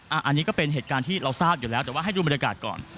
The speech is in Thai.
อันนี้ก็เป็นเหตุการณ์ที่เราทราบอยู่แล้วแต่ว่าให้ดูบรรยากาศก่อน